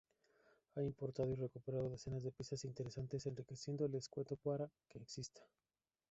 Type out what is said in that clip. Ha importado y recuperado decenas de piezas interesantes, enriqueciendo el escueto parque que existía.